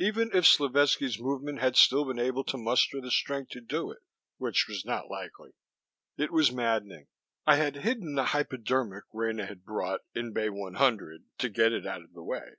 Even if Slovetski's movement had still been able to muster the strength to do it, which was not likely. It was maddening. I had hidden the hypodermic Rena had brought in Bay 100 to get it out of the way.